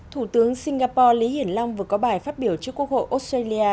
thủ tướng singapore lý hiển long vừa có bài phát biểu trước quốc hội australia